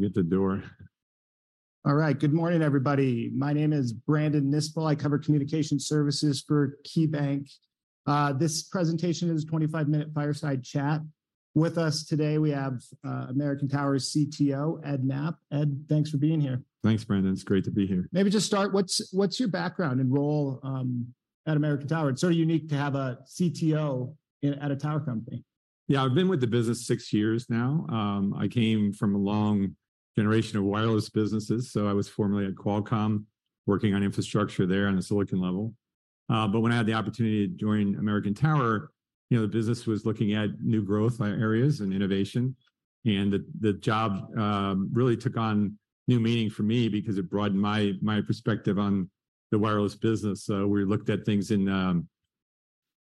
Let me get the door. All right. Good morning, everybody. My name is Brandon Nispel. I cover communication services for KeyBanc. This presentation is a 25-minute fireside chat. With us today, we have American Tower's CTO, Ed Knapp. Ed, thanks for being here. Thanks, Brandon. It's great to be here. Maybe just start, what's, what's your background and role at American Tower? It's sort of unique to have a CTO in, at a tower company. Yeah, I've been with the business six years now. I came from a long generation of wireless businesses, so I was formerly at Qualcomm, working on infrastructure there on a silicon level. When I had the opportunity to join American Tower, you know, the business was looking at new growth areas and innovation, and the job really took on new meaning for me because it broadened my perspective on the wireless business. We looked at things in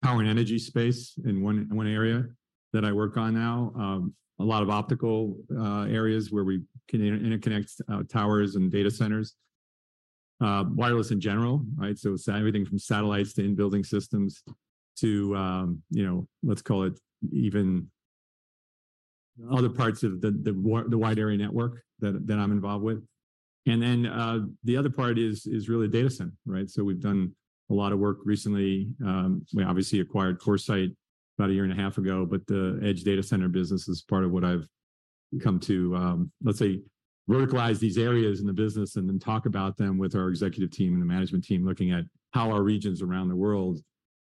power and energy space in one area that I work on now. A lot of optical areas where we interconnect towers and data centers. Wireless in general, right? everything from satellites to in-building systems to, you know, let's call it even other parts of the wide area network that, that I'm involved with. Then, the other part is, is really data center, right? We've done a lot of work recently. We obviously acquired CoreSite about 1.5 years ago. The edge data center business is part of what I've come to, let's say, verticalize these areas in the business and then talk about them with our executive team and the management team, looking at how our regions around the world,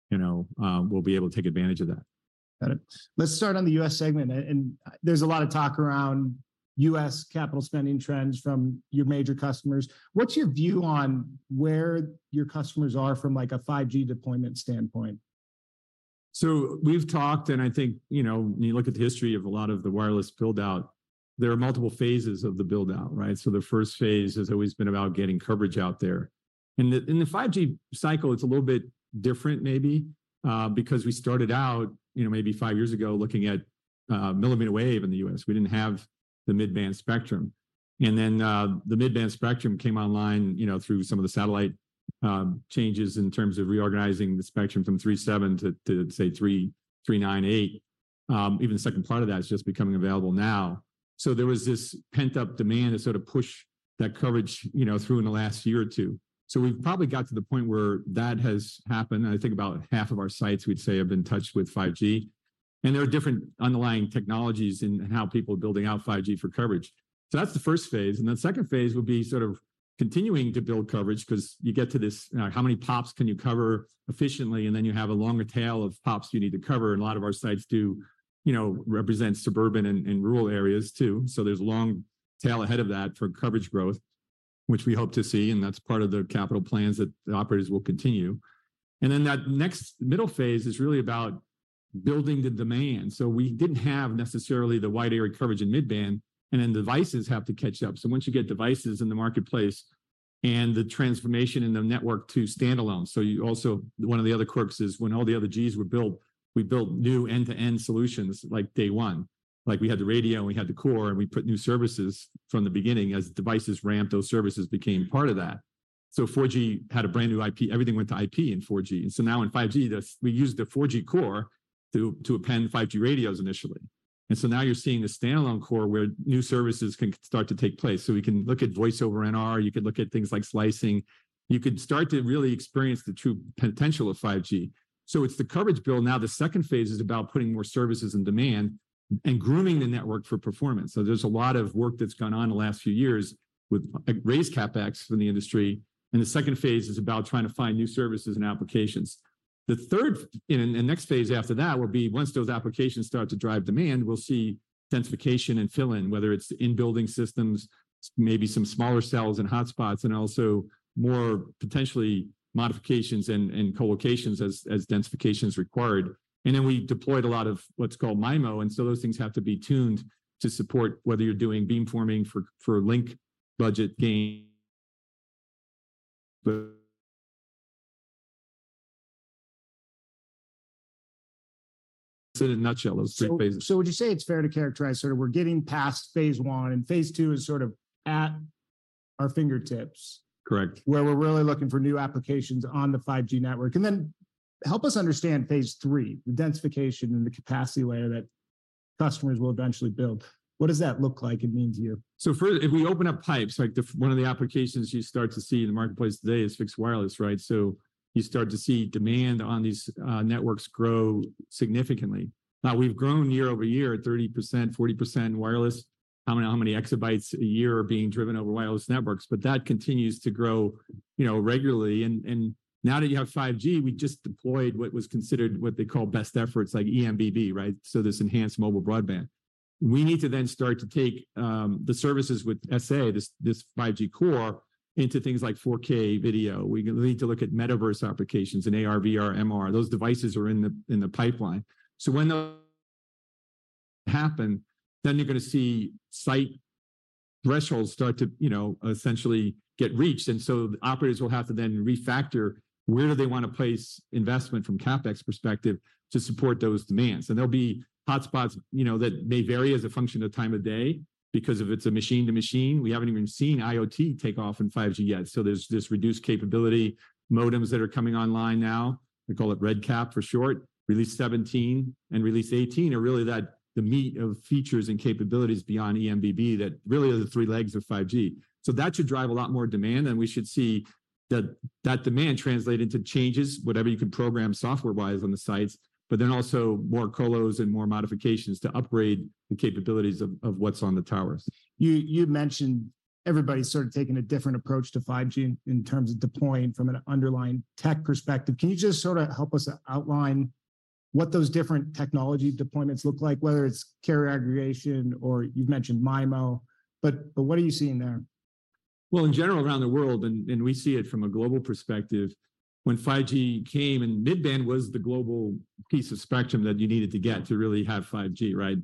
you know, will be able to take advantage of that. Got it. Let's start on the U.S. segment. There's a lot of talk around U.S. capital spending trends from your major customers. What's your view on where your customers are from, like, a 5G deployment standpoint? We've talked, and I think, you know, when you look at the history of a lot of the wireless build-out, there are multiple phases of the build-out, right? The first phase has always been about getting coverage out there. In the 5G cycle, it's a little bit different maybe, because we started out, you know, maybe five years ago, looking at, millimeter wave in the US. We didn't have the mid-band spectrum. Then, the mid-band spectrum came online, you know, through some of the satellite, changes in terms of reorganizing the spectrum from 3.7 to, say, 3.98. Even the second part of that is just becoming available now. There was this pent-up demand to sort of push that coverage, you know, through in the last year or two. We've probably got to the point where that has happened, and I think about half of our sites, we'd say, have been touched with 5G. There are different underlying technologies in how people are building out 5G for coverage. That's the first phase, and the second phase would be sort of continuing to build coverage, 'cause you get to this, how many pops can you cover efficiently? Then you have a longer tail of pops you need to cover, and a lot of our sites do, you know, represent suburban and, and rural areas, too. There's a long tail ahead of that for coverage growth, which we hope to see, and that's part of the capital plans that the operators will continue. Then that next middle phase is really about building the demand. We didn't have necessarily the wide area coverage and mid-band, and then devices have to catch up. Once you get devices in the marketplace and the transformation in the network to standalone, one of the other quirks is when all the other Gs were built, we built new end-to-end solutions, like, day one. Like, we had the radio, and we had the core, and we put new services from the beginning. As devices ramped, those services became part of that. 4G had a brand-new IP. Everything went to IP in 4G, and now in 5G, we use the 4G core to append 5G radios initially. Now you're seeing a standalone core where new services can start to take place. We can look at Voice over NR, you could look at things like slicing. You could start to really experience the true potential of 5G. It's the coverage build now. The second phase is about putting more services in demand and grooming the network for performance. There's a lot of work that's gone on in the last few years with, like, raised CapEx in the industry, and the second phase is about trying to find new services and applications. The third and, and, and the next phase after that will be once those applications start to drive demand, we'll see densification and fill-in, whether it's in building systems, maybe some smaller cells and hotspots, and also more potentially modifications and, and co-locations as, as densification is required. Then we deployed a lot of what's called MIMO, and so those things have to be tuned to support whether you're doing beamforming for, for link budget gain.... In a nutshell, those three phases. Would you say it's fair to characterize sort of we're getting past phase one, and phase two is sort of at our fingertips? Correct... where we're really looking for new applications on the 5G network? Help us understand phase three, the densification and the capacity layer that customers will eventually build. What does that look like and mean to you? First, if we open up pipes, like one of the applications you start to see in the marketplace today is fixed wireless, right? You start to see demand on these networks grow significantly. Now, we've grown year-over-year at 30%, 40% wireless. I mean, how many exabytes a year are being driven over wireless networks? That continues to grow, you know, regularly, and, and now that you have 5G, we just deployed what was considered what they call best efforts, like eMBB, right? This enhanced mobile broadband. We need to then start to take the services with SA, this, this 5G core, into things like 4K video. We need to look at metaverse applications and AR, VR, MR. Those devices are in the, in the pipeline. When those happen, then you're going to see site thresholds start to, you know, essentially get reached. The operators will have to then refactor where do they want to place investment from a CapEx perspective to support those demands. There'll be hotspots, you know, that may vary as a function of time of day because if it's a machine to machine, we haven't even seen IoT take off in 5G yet. There's this reduced capability, modems that are coming online now. They call it RedCap for short. Release 17 and Release 18 are really that, the meat of features and capabilities beyond eMBB that really are the three legs of 5G. That should drive a lot more demand, and we should see-... that, that demand translated to changes, whatever you could program software-wise on the sites, but then also more colos and more modifications to upgrade the capabilities of, of what's on the towers. You, you mentioned everybody's sort of taking a different approach to 5G in, in terms of deploying from an underlying tech perspective. Can you just sort of help us outline what those different technology deployments look like, whether it's carrier aggregation or you've mentioned MIMO, but, but what are you seeing there? Well, in general, around the world, and we see it from a global perspective, when 5G came, mid-band was the global piece of spectrum that you needed to get to really have 5G, right?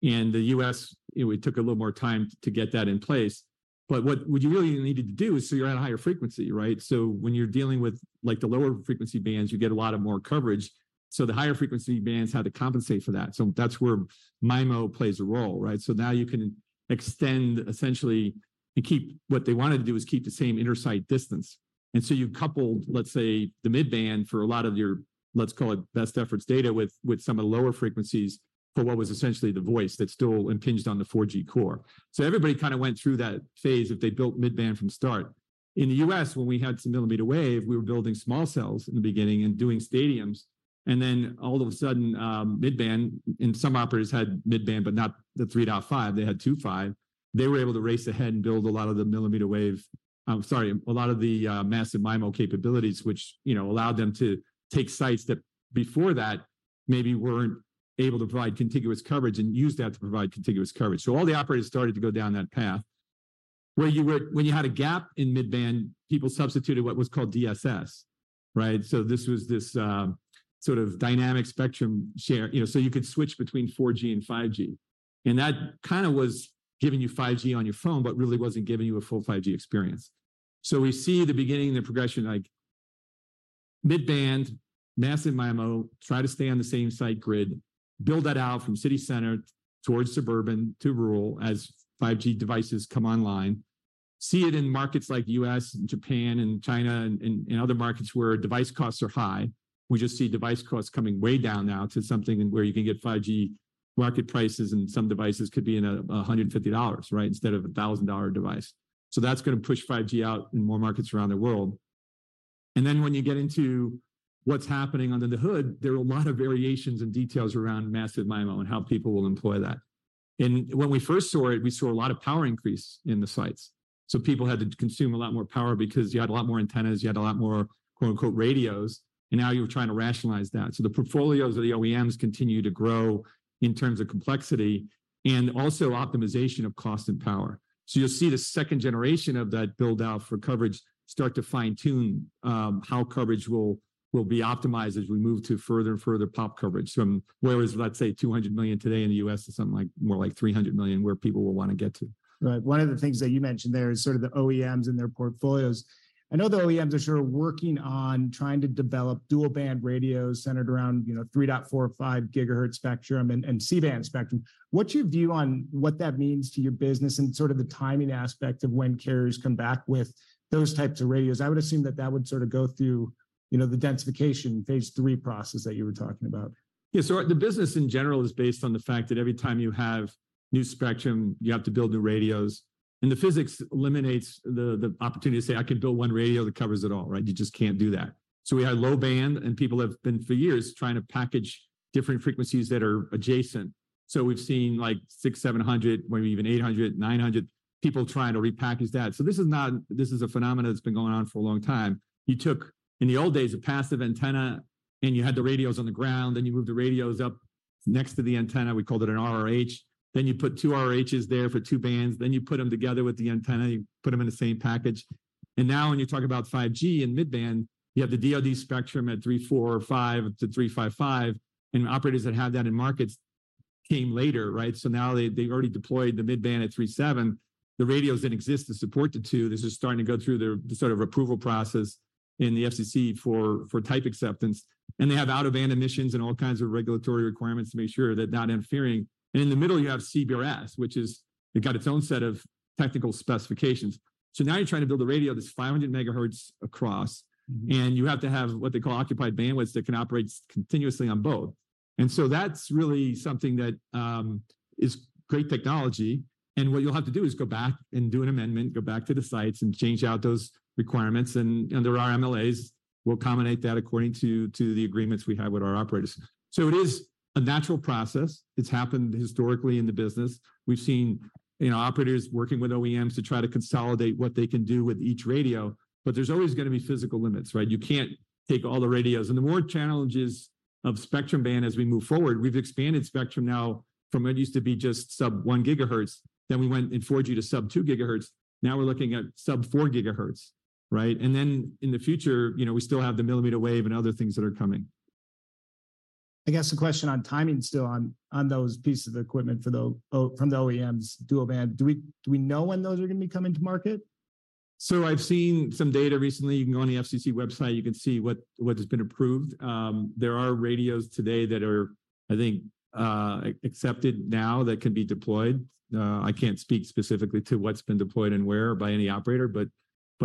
The US, it took a little more time to get that in place. What you really needed to do is you're at a higher frequency, right? When you're dealing with, like, the lower frequency bands, you get a lot of more coverage, the higher frequency bands had to compensate for that. That's where MIMO plays a role, right? Now you can extend essentially and keep. What they wanted to do was keep the same inner site distance. So you coupled, let's say, the mid-band for a lot of your, let's call it, best efforts data with, with some of the lower frequencies for what was essentially the voice that still impinged on the 4G core. Everybody kind of went through that phase, if they built mid-band from start. In the US, when we had some millimeter wave, we were building small cells in the beginning and doing stadiums, and then all of a sudden, mid-band, and some operators had mid-band, but not the 3.5, they had 2.5. They were able to race ahead and build a lot of the millimeter wave, sorry, a lot of the Massive MIMO capabilities, which, you know, allowed them to take sites that before that maybe weren't able to provide contiguous coverage and use that to provide contiguous coverage. All the operators started to go down that path. When you had a gap in mid-band, people substituted what was called DSS, right? This was this, sort of dynamic spectrum share, you know, so you could switch between 4G and 5G. That kind of was giving you 5G on your phone, but really wasn't giving you a full 5G experience. We see the beginning of the progression, like mid-band, massive MIMO, try to stay on the same site grid, build that out from city center towards suburban to rural as 5G devices come online. See it in markets like US, Japan, and China, and other markets where device costs are high. We just see device costs coming way down now to something where you can get 5G market prices. Some devices could be in $150, right? Instead of a $1,000 device. That's gonna push 5G out in more markets around the world. When you get into what's happening under the hood, there are a lot of variations and details around massive MIMO and how people will employ that. When we first saw it, we saw a lot of power increase in the sites, so people had to consume a lot more power because you had a lot more antennas, you had a lot more, quote, unquote, "radios," and now you're trying to rationalize that. The portfolios of the OEMs continue to grow in terms of complexity and also optimization of cost and power. You'll see the second generation of that build-out for coverage start to fine-tune how coverage will, will be optimized as we move to further and further pop coverage from whereas, let's say, 200 million today in the US to something like more like 300 million, where people will wanna get to. Right. One of the things that you mentioned there is sort of the OEMs and their portfolios. I know the OEMs are sort of working on trying to develop dual-band radios centered around, you know, 3.45 GHz spectrum and C-band spectrum. What's your view on what that means to your business and sort of the timing aspect of when carriers come back with those types of radios? I would assume that that would sort of go through, you know, the densification phase three process that you were talking about. Yeah, the business in general is based on the fact that every time you have new spectrum, you have to build new radios, and the physics eliminates the, the opportunity to say, "I can build 1 radio that covers it all," right? You just can't do that. We had low band, and people have been for years trying to package different frequencies that are adjacent. We've seen, like 600, 700, maybe even 800, 900 people trying to repackage that. This is a phenomenon that's been going on for a long time. You took, in the old days, a passive antenna, and you had the radios on the ground, you moved the radios up next to the antenna, we called it an RRH. You put 2 RRHs there for two bands, then you put them together with the antenna, you put them in the same package. Now, when you talk about 5G and mid-band, you have the DoD spectrum at three, four, or five to three, five ,five, and operators that had that in markets came later, right? Now they, they already deployed the mid-band at 3.7 GHz. The radios that exist to support the two, this is starting to go through their sort of approval process in the FCC for type acceptance, and they have out-of-band emissions and all kinds of regulatory requirements to make sure they're not interfering. In the middle, you have CBRS, which is, it got its own set of technical specifications. Now you're trying to build a radio that's 500 MHz across- Mm-hmm. You have to have what they call occupied bandwidth that can operate continuously on both. That's really something that is great technology, and what you'll have to do is go back and do an amendment, go back to the sites and change out those requirements, and there are MLAs will accommodate that according to the agreements we have with our operators. It is a natural process. It's happened historically in the business. We've seen, you know, operators working with OEMs to try to consolidate what they can do with each radio, but there's always gonna be physical limits, right? You can't take all the radios. The more challenges of spectrum band as we move forward, we've expanded spectrum now from what used to be just sub 1 gigahertz, then we went in 4G to sub two gigahertz. Now we're looking at sub 4 GHz, right? Then in the future, you know, we still have the millimeter wave and other things that are coming. I guess the question on timing still on, on those pieces of equipment from the OEMs dual band, do we, do we know when those are gonna be coming to market? I've seen some data recently. You can go on the FCC website, you can see what, what has been approved. There are radios today that are, I think, accepted now that can be deployed. I can't speak specifically to what's been deployed and where by any operator, but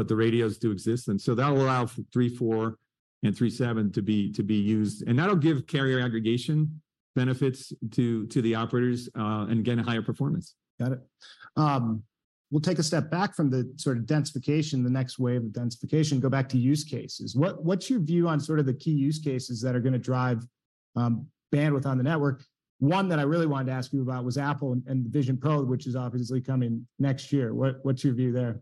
the radios do exist, and so that will allow for three, four, and 3.7 GHz to be used, and that'll give carrier aggregation benefits to the operators, and again, a higher performance. Got it. We'll take a step back from the sort of densification, the next wave of densification, and go back to use cases. What, what's your view on sort of the key use cases that are gonna drive bandwidth on the network? One that I really wanted to ask you about was Apple and, and the Vision Pro, which is obviously coming next year. What, what's your view there?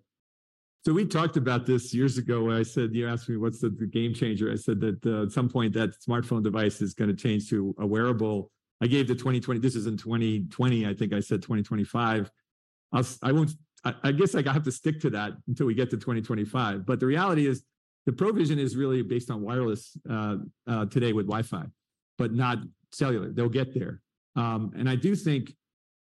We talked about this years ago when I said, you asked me what's the, the game changer. I said that, at some point, that smartphone device is gonna change to a wearable. I gave the 2020, this is in 2020, I think I said 2025. I'll, I won't, I, I guess I have to stick to that until we get to 2025. The reality is, the Pro Vision is really based on wireless, today with Wi-Fi, but not cellular. They'll get there. I do think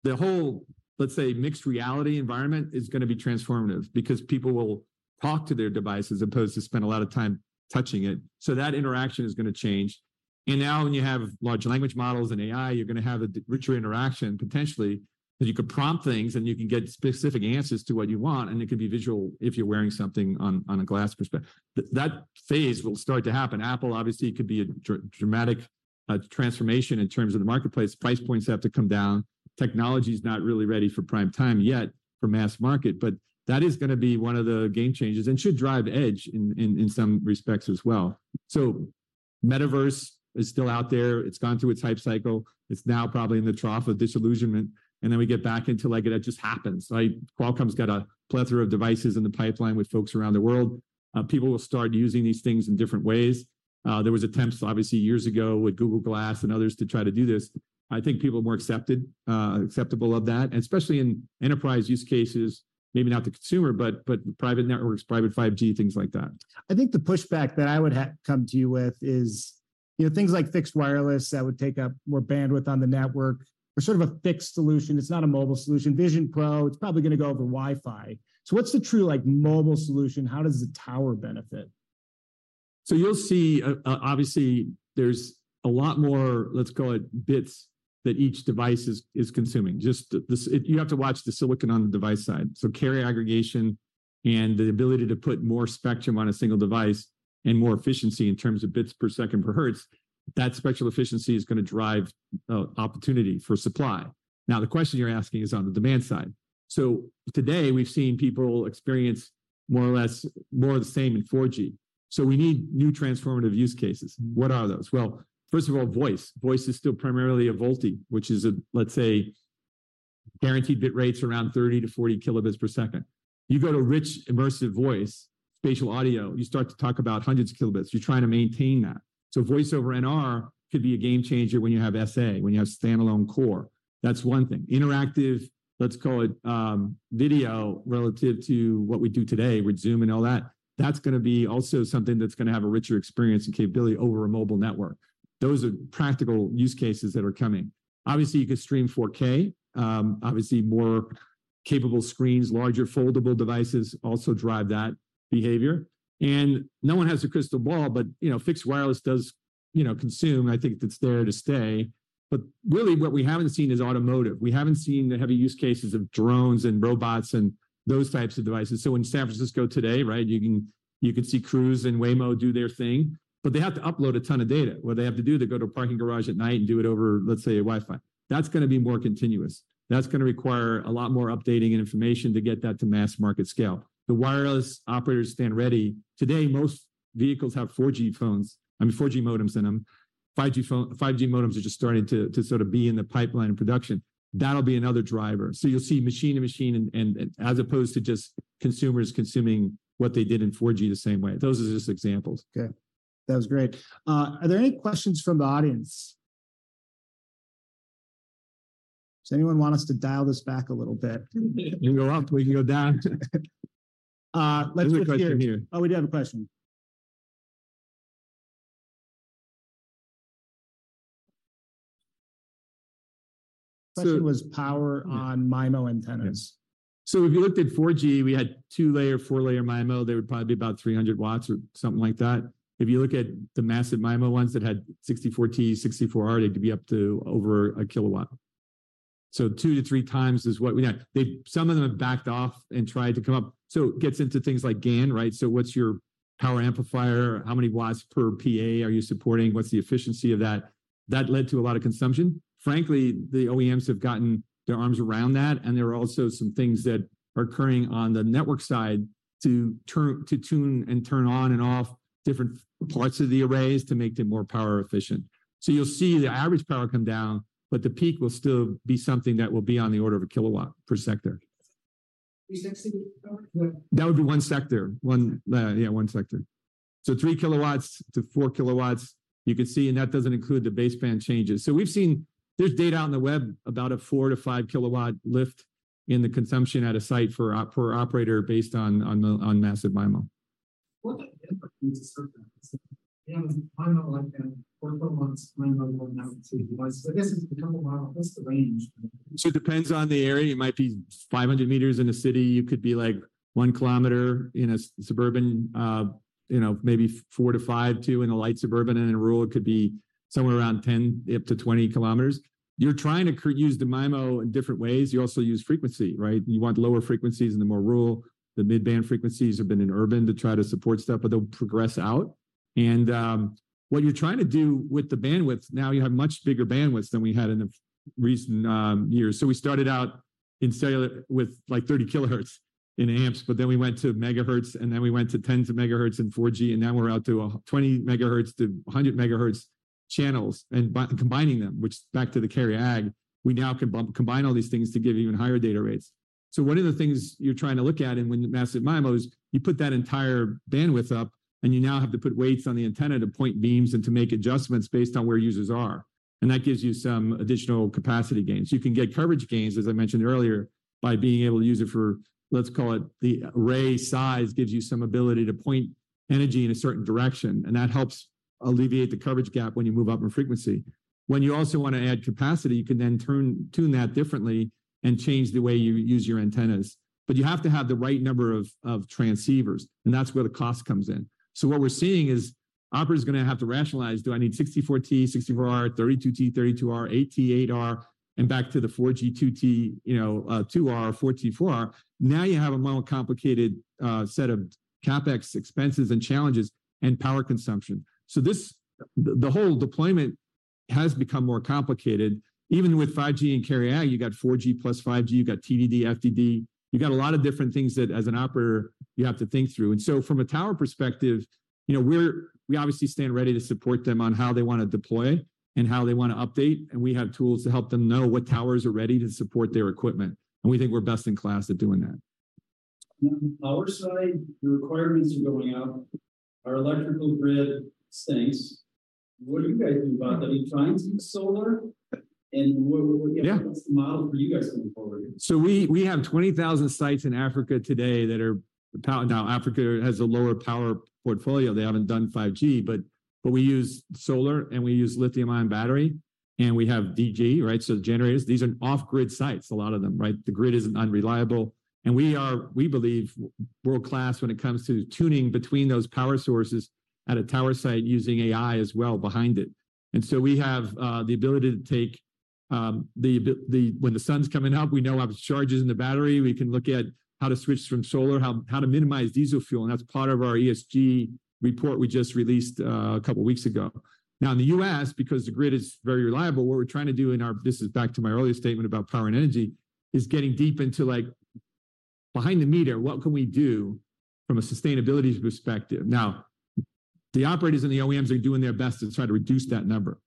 the whole, let's say, mixed reality environment is gonna be transformative, because people will talk to their devices as opposed to spend a lot of time touching it. That interaction is gonna change, and now when you have large language models and AI, you're gonna have a richer interaction, potentially, that you could prompt things, and you can get specific answers to what you want, and it could be visual if you're wearing something on, on a glass perspective. That phase will start to happen. Apple obviously could be a dramatic transformation in terms of the marketplace. Price points have to come down. Technology's not really ready for prime time yet for mass market. That is gonna be one of the game changers and should drive edge in, in, in some respects as well. Metaverse is still out there. It's gone through its hype cycle. It's now probably in the Trough of Disillusionment, then we get back into, like, it just happens. Like, Qualcomm's got a plethora of devices in the pipeline with folks around the world. People will start using these things in different ways. There was attempts, obviously, years ago with Google Glass and others to try to do this. I think people are more acceptable of that, and especially in enterprise use cases, maybe not the consumer, but, but private networks, private 5G, things like that. I think the pushback that I would have come to you with is, you know, things like fixed wireless that would take up more bandwidth on the network or sort of a fixed solution, it's not a mobile solution. Vision Pro, it's probably gonna go over Wi-Fi. What's the true, like, mobile solution? How does the tower benefit? You'll see, obviously, there's a lot more, let's call it, bits that each device is consuming. Just you have to watch the silicon on the device side. Carrier aggregation and the ability to put more spectrum on a single device and more efficiency in terms of bits per second per hertz, that spectral efficiency is going to drive opportunity for supply. Now, the question you're asking is on the demand side. Today, we've seen people experience more or less, more of the same in 4G. We need new transformative use cases. What are those? Well, first of all, voice. Voice is still primarily a VoLTE, which is a, let's say, guaranteed bit rates around 30-40 kilobits per second. You go to rich, immersive voice, spatial audio, you start to talk about hundreds of kilobits. You're trying to maintain that. Voice over NR could be a game changer when you have SA, when you have standalone core. That's one thing. Interactive, let's call it, video, relative to what we do today with Zoom and all that, that's gonna be also something that's gonna have a richer experience and capability over a mobile network. Those are practical use cases that are coming. Obviously, you could stream 4K. Obviously, more capable screens, larger foldable devices also drive that behavior. No one has a crystal ball, but, you know, fixed wireless does, you know, consume. I think it's there to stay. Really what we haven't seen is automotive. We haven't seen the heavy use cases of drones and robots and those types of devices. In San Francisco today, right, you can, you could see Cruise and Waymo do their thing, but they have to upload a ton of data. What they have to do, they go to a parking garage at night and do it over, let's say, a Wi-Fi. That's gonna be more continuous. That's gonna require a lot more updating and information to get that to mass market scale. The wireless operators stand ready. Today, most vehicles have 4G phones, I mean, 4G modems in them. 5G modems are just starting to, to sort of be in the pipeline of production. That'll be another driver. You'll see machine to machine and, as opposed to just consumers consuming what they did in 4G the same way. Those are just examples. Okay, that was great. Are there any questions from the audience? Does anyone want us to dial this back a little bit? We can go up, or we can go down. Uh, let's- There's a question here. Oh, we do have a question. Question was power on MIMO antennas. If you looked at 4G, we had two-layer, four-layer MIMO, they would probably be about 300 watts or something like that. If you look at the Massive MIMO ones that had 64T, 64R, they could be up to over 1 kilowatt. two to three times is what we have. Some of them have backed off and tried to come up. It gets into things like GaN, right? What's your power amplifier? How many watts per PA are you supporting? What's the efficiency of that? That led to a lot of consumption. Frankly, the OEMs have gotten their arms around that, and there are also some things that are occurring on the network side to turn, to tune and turn on and off different parts of the arrays to make them more power efficient. You'll see the average power come down, but the peak will still be something that will be on the order of one kilowatt per sector. Is that still power? That would be one sector. One, yeah, one sector. Three kilowatts to four kilowatts, you could see, and that doesn't include the baseband changes. We've seen, there's data on the web about a four to five-kilowatt lift in the consumption at a site for per operator based on massive MIMO. What are the different use cases? You know, MIMO, like, four months MIMO, now two. I guess it's a couple of miles. What's the range? It depends on the area. It might be 500 meters in a city. You could be, like, 1 kilometer in a suburban, you know, maybe four to five, too, in a light suburban, and in a rural, it could be somewhere around 10-20 kilometers. You're trying to use the MIMO in different ways. You also use frequency, right? You want lower frequencies in the more rural. The mid-band frequencies have been in urban to try to support stuff, but they'll progress out. And what you're trying to do with the bandwidth, now you have much bigger bandwidth than we had in the recent years. We started out in cellular with, like, 30 kilohertz in AMPS, but then we went to megahertz, and then we went to tens of megahertz in 4G, and now we're out to 20 megahertz-100 megahertz channels, and by- combining them, which is back to the carry ag. We now can bump, combine all these things to give even higher data rates. One of the things you're trying to look at and when Massive MIMO is, you put that entire bandwidth up, and you now have to put weights on the antenna to point beams and to make adjustments based on where users are. That gives you some additional capacity gains. You can get coverage gains, as I mentioned earlier, by being able to use it for, let's call it, the array size, gives you some ability to point energy in a certain direction, and that helps alleviate the coverage gap when you move up in frequency. You also want to add capacity, you can then tune, tune that differently and change the way you use your antennas. You have to have the right number of, of transceivers, and that's where the cost comes in. What we're seeing is, opera is gonna have to rationalize, do I need 64T64R, 32T32R, 8T8R, and back to the 4G, 2 T, you know, 2 R, 4 T, 4 R? You have a more complicated set of CapEx expenses and challenges and power consumption. This, the whole deployment has become more complicated. Even with 5G and carry ag, you got 4G plus 5G, you got TDD, FDD. You got a lot of different things that, as an operator, you have to think through. From a tower perspective, you know, we obviously stand ready to support them on how they want to deploy and how they want to update, and we have tools to help them know what towers are ready to support their equipment, and we think we're best in class at doing that. On our side, the requirements are going up. Our electrical grid stinks. What do you guys do about that? Are you trying some solar, and what- Yeah what's the model for you guys going forward? We, we have 20,000 sites in Africa today that are. Now, Africa has a lower power portfolio. They haven't done 5G, but we use solar, and we use lithium-ion battery, and we have DG, right? The generators. These are off-grid sites, a lot of them, right? The grid is unreliable, we are, we believe, world-class when it comes to tuning between those power sources at a tower site using AI as well behind it. We have the ability to take the, when the sun's coming up, we know how much charge is in the battery. We can look at how to switch from solar, how to minimize diesel fuel, and that's part of our ESG report we just released a couple weeks ago. In the US, because the grid is very reliable, what we're trying to do in our, this is back to my earlier statement about power and energy, is getting deep into, like, behind-the-meter, what can we do from a sustainability perspective? The operators and the OEMs are doing their best to try to reduce that number.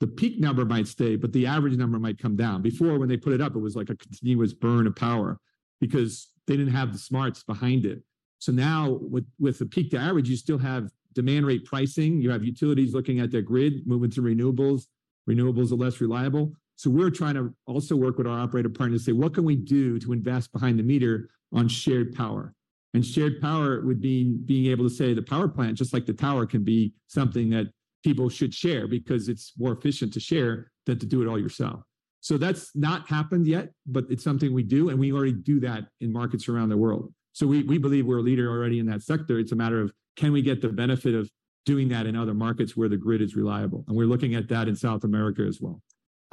The peak number might stay, but the average number might come down. Before, when they put it up, it was like a continuous burn of power because they didn't have the smarts behind it. Now, with, with the peak to average, you still have demand rate pricing, you have utilities looking at their grid, moving to renewables. Renewables are less reliable. We're trying to also work with our operator partners to say, "What can we do to invest behind-the-meter on shared power?" Shared power would be being able to say the power plant, just like the tower, can be something that people should share because it's more efficient to share than to do it all yourself. That's not happened yet, but it's something we do, and we already do that in markets around the world. We, we believe we're a leader already in that sector. It's a matter of can we get the benefit of doing that in other markets where the grid is reliable? We're looking at that in South America as well.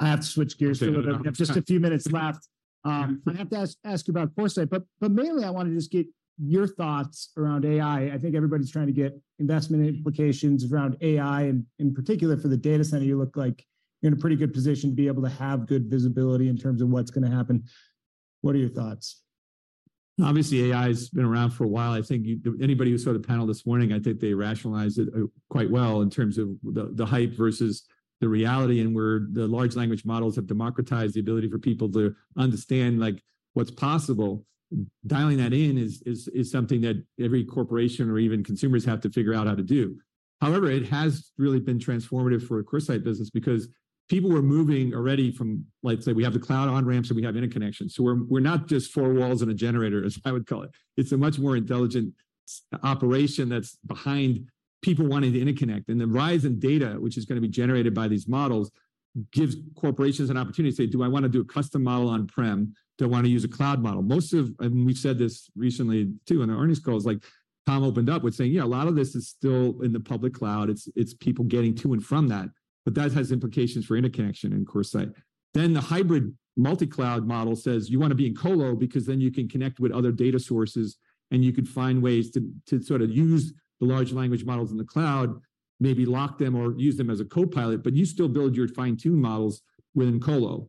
I have to switch gears a little bit. Okay. I have just a few minutes left. I have to ask, ask you about Foresight, but, but mainly I want to just get your thoughts around AI. I think everybody's trying to get investment implications around AI and, and in particular for the data center, you look like you're in a pretty good position to be able to have good visibility in terms of what's going to happen. What are your thoughts? Obviously, AI's been around for a while. I think you, anybody who saw the panel this morning, I think they rationalized it, quite well in terms of the, the hype versus the reality, and where the large language models have democratized the ability for people to understand, like, what's possible. Dialing that in is something that every corporation or even consumers have to figure out how to do. However, it has really been transformative for a CoreSite business because people were moving already from, like, say, we have the cloud on-ramps or we have interconnections. We're, we're not just four walls and a generator, as I would call it. It's a much more intelligent operation that's behind people wanting to interconnect. The rise in data, which is going to be generated by these models, gives corporations an opportunity to say: Do I want to do a custom model on-prem? Do I want to use a cloud model? Most of, and we've said this recently, too, in the earnings calls, like, Tom opened up with saying, "Yeah, a lot of this is still in the public cloud. It's, it's people getting to and from that," but that has implications for interconnection in CoreSite. The hybrid multicloud model says you want to be in colo because then you can connect with other data sources, and you can find ways to, to sort of use the large language models in the cloud, maybe lock them or use them as a copilot, but you still build your fine-tune models within colo.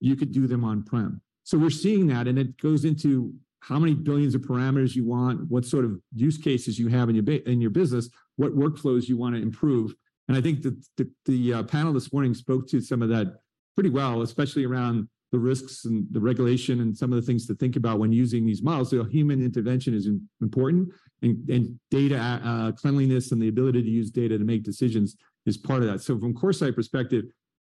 You could do them on-prem. We're seeing that, and it goes into how many billions of parameters you want, what sort of use cases you have in your business, what workflows you want to improve. I think the, the, the panel this morning spoke to some of that pretty well, especially around the risks and the regulation and some of the things to think about when using these models. Human intervention is important, and data cleanliness, and the ability to use data to make decisions is part of that. From CoreSite perspective,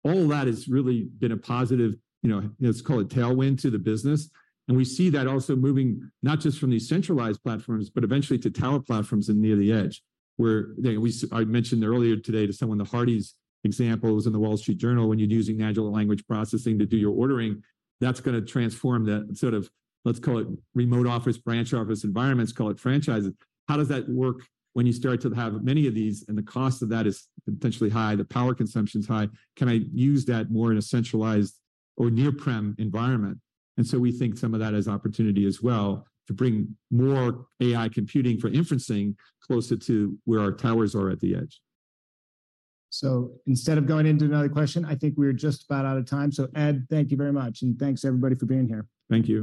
all that has really been a positive, you know, let's call it tailwind to the business, and we see that also moving not just from these centralized platforms, but eventually to tower platforms and near the edge, where, they, we s- I mentioned earlier today to someone, the Hardee's example was in The Wall Street Journal. When you're using natural language processing to do your ordering, that's gonna transform that sort of, let's call it remote office, branch office environments, call it franchises. How does that work when you start to have many of these, and the cost of that is potentially high, the power consumption's high? Can I use that more in a centralized or near-prem environment? We think some of that is opportunity as well to bring more AI computing for inferencing closer to where our towers are at the edge. Instead of going into another question, I think we're just about out of time. Ed, thank you very much, and thanks, everybody, for being here. Thank you.